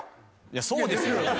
そうですよ。